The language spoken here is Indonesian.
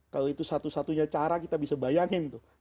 kalau itu satu satunya cara kita bisa bayangin tuh